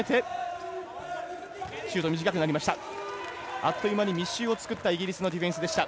あっという間に密集を作ったイギリスのディフェンスでした。